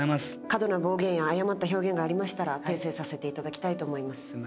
過度な暴言や誤った表現がありましたら訂正させていただきたいと思います。